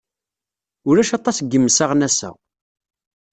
Ulac aṭas n yimsaɣen ass-a.